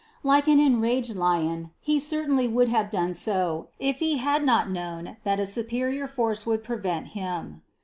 Like an enraged lion he certainly would 128 CITY OF GOD have done so, if he had not known, that a superior force would prevent him.